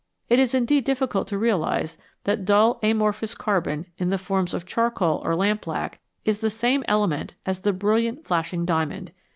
It is indeed difficult to realise that dull, amorphous carbon, in the forms of charcoal or lampblack, is the same element as the brilliant, flashing diamond.